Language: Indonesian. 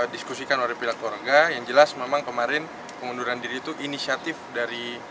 diskusikan oleh pihak keluarga yang jelas memang kemarin pengunduran diri itu inisiatif dari